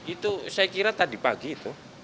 itu saya kira tadi pagi itu